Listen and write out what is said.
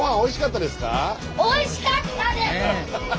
おいしかったです！